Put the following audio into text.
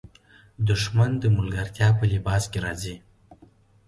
دښمن د ملګرتیا په لباس کې راځي